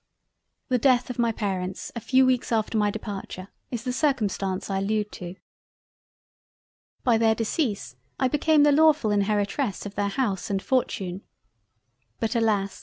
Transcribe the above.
The death of my Parents a few weeks after my Departure, is the circumstance I allude to. By their decease I became the lawfull Inheritress of their House and Fortune. But alas!